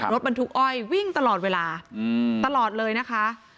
รถบรรทุกอ้อยวิ่งตลอดเวลาตลอดเลยนะคะ